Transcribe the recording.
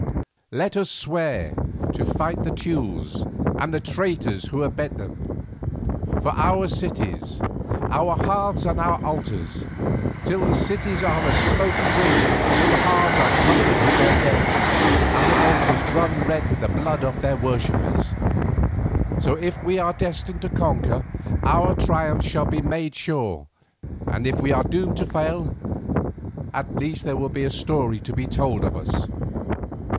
Let us swear to fight the Teules and the traitors who abet them, for our cities, our hearths and our altars; till the cities are a smoking ruin, till the hearths are cumbered with their dead, and the altars run red with the blood of their worshippers. So, if we are destined to conquer, our triumph shall be made sure, and if we are doomed to fail, at least there will be a story to be told of us.